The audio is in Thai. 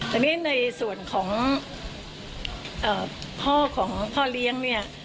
แต่นี่ในส่วนของพ่อเลี้ยงเนี่ย